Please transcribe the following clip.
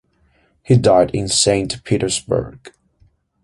He died in Saint Petersburg.